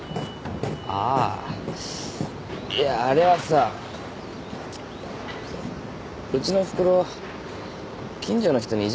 ああいやあれはさうちのおふくろ近所の人にいじめられてんだ。